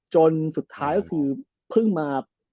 จนสุดท้ายก็คือเพิ่งมา